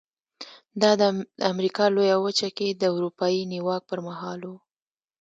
دا د امریکا لویه وچه کې د اروپایي نیواک پر مهال و.